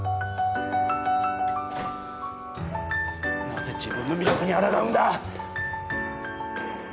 なぜ自分の魅力にあらがうんだ！